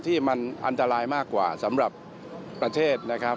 ที่มันอันตรายมากกว่าสำหรับประเทศนะครับ